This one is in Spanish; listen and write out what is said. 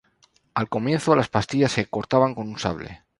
Al comienzo, las pastillas se cortaban con un sable.